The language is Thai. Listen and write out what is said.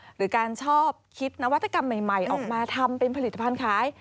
หรือการชอบคิดนวัตกรรมใหม่ออกมาทำเป็นผลิตภัณฑ์ขาย